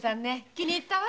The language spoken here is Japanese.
気に入ったわ。